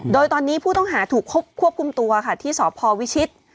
โดยตอนนี้ผู้ต้องหาถูกควบคุมตัวค่ะที่สพวิชิต